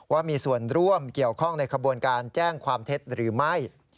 ว่ามีส่วนร่วมเกี่ยวข้องในขบวนการแจ้งความเท็จหรือไม่